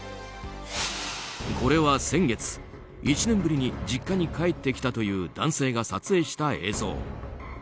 これは先月、１年ぶりに実家に帰ってきたという男性が撮影した映像。